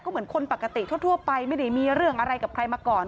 เหมือนคนปกติทั่วไปไม่ได้มีเรื่องอะไรกับใครมาก่อน